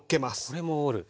これも折ると。